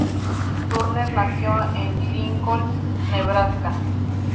Turner nació en Lincoln, Nebraska.